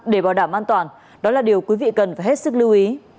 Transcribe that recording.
để bảo đảm an toàn đó là điều quý vị cần phải hết sức lưu ý